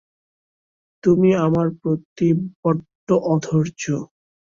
তুমি আমার প্রতি বড্ড অধৈর্য্য।